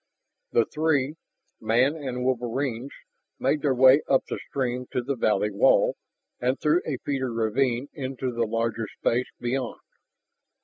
The three, man and wolverines, made their way up the stream to the valley wall and through a feeder ravine into the larger space beyond.